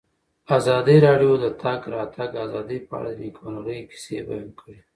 ازادي راډیو د د تګ راتګ ازادي په اړه د نېکمرغۍ کیسې بیان کړې.